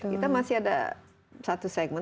kita masih ada satu segmen